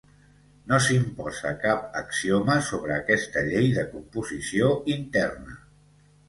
No s'imposa cap axioma sobre aquesta llei de composició interna.